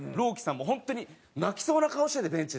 もう本当に泣きそうな顔しててベンチで。